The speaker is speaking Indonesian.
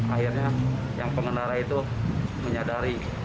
akhirnya yang pengendara itu menyadari